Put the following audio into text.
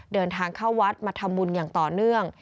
เดินทางเข้าวัดมาทำบุญอย่างต่อเนื่อง